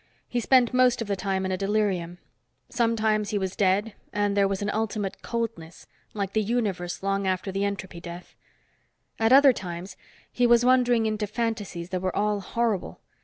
He spent most of the time in a delirium; sometimes he was dead, and there was an ultimate coldness like the universe long after the entropy death. At other times, he was wandering into fantasies that were all horrible.